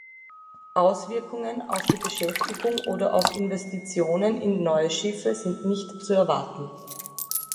Auswirkungen auf die Beschäftigung oder auf Investitionen in neue Schiffe sind nicht zu erwarten.